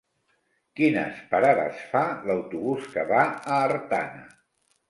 Quines parades fa l'autobús que va a Artana?